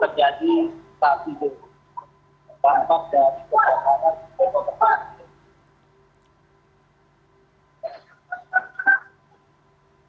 jadi terjadi saat ini dampak dari kebakaran yang terdampak